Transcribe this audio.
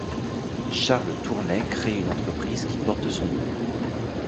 Charles Tournay créé une entreprise qui porte son nom.